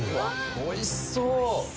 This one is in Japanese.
おいしそう！